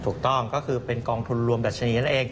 ถูกต้องก็คือเป็นกองทุนรวมดัชนีนั่นเอง